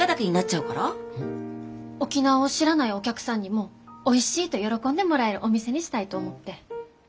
沖縄を知らないお客さんにもおいしいと喜んでもらえるお店にしたいと思って。